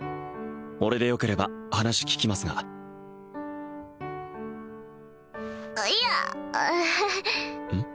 俺でよければ話聞きますがいやあーうん？